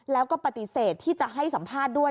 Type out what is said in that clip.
แล้วก็ปฏิเสธที่จะให้สัมภาษณ์ด้วย